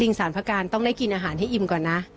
สารพระการต้องได้กินอาหารให้อิ่มก่อนนะ